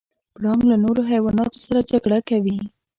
پړانګ له نورو حیواناتو سره جګړه کوي.